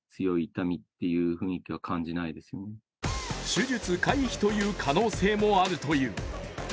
手術回避という可能性もあるという。